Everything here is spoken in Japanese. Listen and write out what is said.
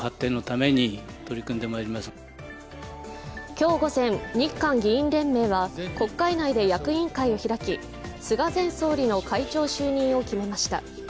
今日午前、日韓議員連盟は国会内で役員会を開き、菅前総理の会長就任を決めました。